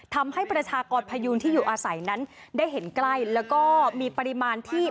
ทำให้ประชากรพยูนที่อยู่อาศัยนั้นได้เห็นใกล้แล้วก็มีปริมาณที่